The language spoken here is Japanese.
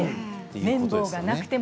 麺棒がなくても。